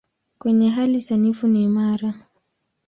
Kwenye hali sanifu ni imara.